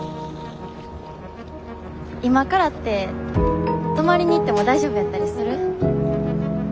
今からって泊まりに行っても大丈夫やったりする？